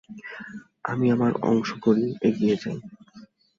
আমি আমার অংশ করি, এগিয়ে যাই।